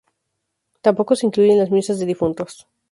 Tampoco se incluye en las misas de difuntos.